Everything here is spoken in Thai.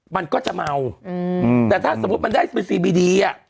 มันก็จะเมาอืมแต่ถ้าสมมุติมันได้สไปซีบีดีอ่ะ